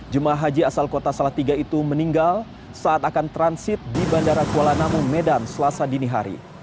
jemaah haji asal kota salatiga itu meninggal saat akan transit di bandara kuala namu medan selasa dini hari